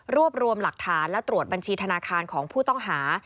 รวบรวมหลักฐานและตรวจบัญชีธนาคารของผู้ต้องหา